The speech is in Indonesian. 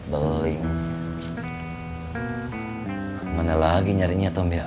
dalem banget aku ngejar ngejar orang itu